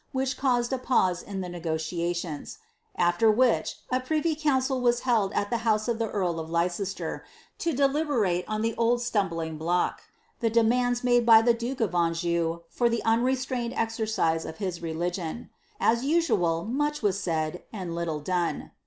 which caui a pause io the negotiations; after which, a privy council was held at I house of the earl of Leicester, to deliberate on Die old aluml)ling bloi the demands made by the duke of Anjou for the unrestrained pxere of his religion. As usual much was said, and little done.